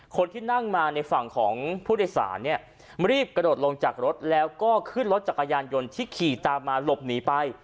คนที่นั่งมาในฝั่งของผู้โดยสารเนี่ยรีบกระโดดลงจากรถแล้วก็ขึ้นรถจักรยานยนต์ที่ขี่ตามมาหลบหนีไป